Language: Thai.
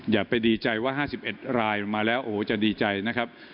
อย่าไปดีใจว่า๕๑รายมาแล้วโอ้โหจะดีใจนะครับ